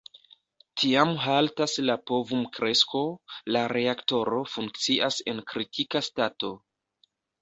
Tiam haltas la povum-kresko, la reaktoro funkcias en "kritika stato".